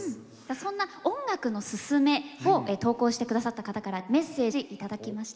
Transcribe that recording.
そんな「音楽のすゝめ」を投稿してくださった方からメッセージ頂きました。